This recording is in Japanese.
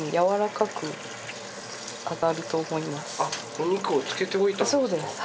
お肉を漬けておいたんですか？